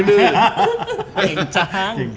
เก่งจัง